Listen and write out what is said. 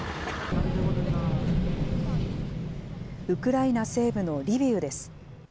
ウクライナ西部のリビウです。